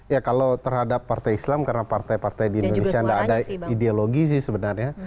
ya kalau terhadap partai islam karena partai partai di indonesia tidak ada ideologi sih sebenarnya